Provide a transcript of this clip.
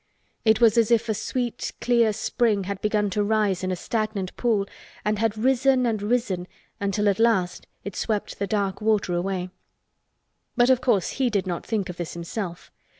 It was as if a sweet clear spring had begun to rise in a stagnant pool and had risen and risen until at last it swept the dark water away. But of course he did not think of this himself.